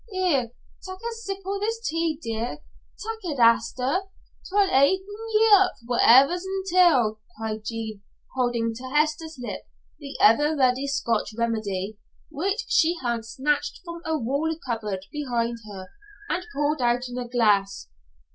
Here, tak' a sip o' this, dear. Tak' it, Hester; 'twill hairten ye up for whatever's intil't," cried Jean, holding to Hester's lips the ever ready Scotch remedy, which she had snatched from a wall cupboard behind her and poured out in a glass.